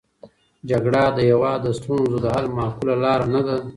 جګړه د هېواد د ستونزو د حل معقوله لاره نه ده.